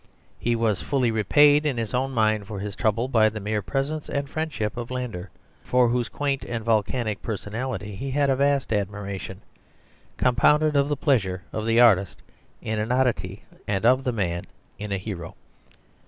He was fully repaid in his own mind for his trouble by the mere presence and friendship of Landor, for whose quaint and volcanic personality he had a vast admiration, compounded of the pleasure of the artist in an oddity and of the man in a hero.